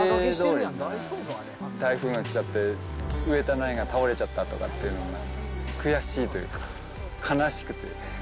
台風が来ちゃって植えた苗が倒れちゃったとかっていうのは、悔しいというか、悲しくて。